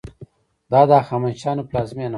دا د هخامنشیانو پلازمینه وه.